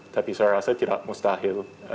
tapi saya rasa tidak mustahil